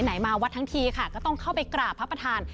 มาวัดทั้งทีค่ะก็ต้องเข้าไปกราบพระประธาน